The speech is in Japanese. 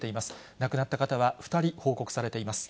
亡くなった方は２人報告されています。